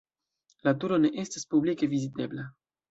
La turo ne estas publike vizitebla.